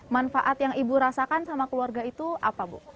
manfaat yang ibu rasakan sama keluarga itu apa bu